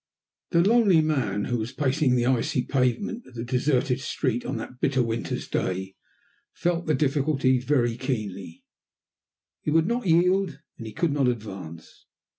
The lonely man who was pacing the icy pavement of the deserted street on that bitter winter's day felt the difficulty very keenly. He would not yield and he could not advance.